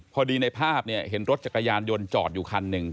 พอดีในภาพเห็นรถจักรยานยนต์จอดอยู่คันหนึ่ง